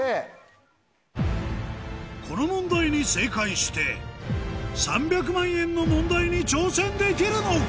この問題に正解して３００万円の問題に挑戦できるのか？